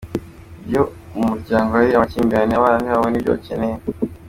Iyo mu muryango hari amakimbirane, abana ntibabona ibyo bakeneye.